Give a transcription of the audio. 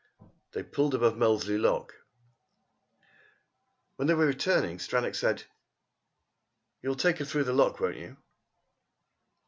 They pulled above Molesey lock. When they were returning, Stranack said: "You'll take her through the lock, won't you?"